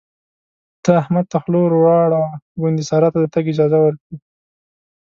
ته احمد ته خوله ور واړوه ګوندې سارا ته د تګ اجازه ورکړي.